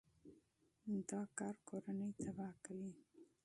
دا کار کورنۍ تباه کوي.